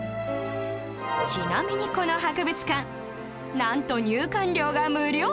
ちなみにこの博物館なんと入館料が無料